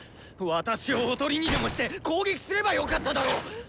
私をおとりにでもして攻撃すればよかっただろう！